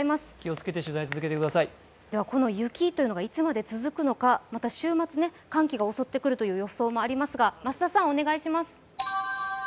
この雪というのがいつまで続くのか、また週末寒気が襲ってくるという予想もありますが、増田さんお願いします。